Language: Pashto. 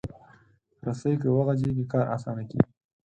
رسۍ که وغځېږي، کار اسانه کېږي.